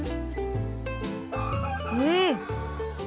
うん！